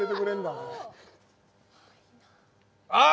ああ。